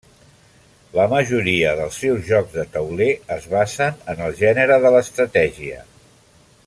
La majoria dels seus jocs de tauler es basen en el gènere de l'estratègia.